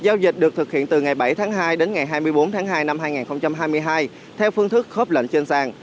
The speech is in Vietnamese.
giao dịch được thực hiện từ ngày bảy tháng hai đến ngày hai mươi bốn tháng hai năm hai nghìn hai mươi hai theo phương thức khớp lệnh trên sàn